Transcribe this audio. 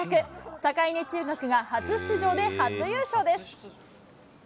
酒井根中学が初出場で初優勝です。